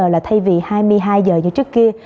là thay vì hai mươi hai giờ như trước kia